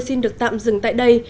xin được tạm dừng tại đây